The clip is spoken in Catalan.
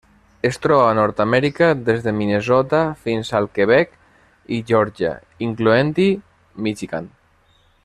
Es troba a Nord-amèrica: des de Minnesota fins al Quebec i Geòrgia, incloent-hi Michigan.